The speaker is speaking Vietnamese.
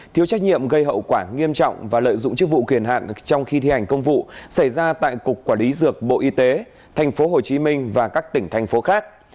thiếu trách nhiệm gây hậu quả nghiêm trọng và lợi dụng chức vụ kiền hạn trong khi thi hành công vụ xảy ra tại cục quản lý dược bộ y tế tp hcm và các tỉnh thành phố khác